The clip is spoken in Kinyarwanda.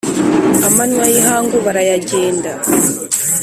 amanywa y’ihanga barayagenda